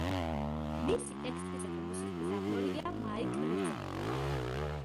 მისი ტექსტისა და მუსიკის ავტორია მაიკ რეზერფორდი.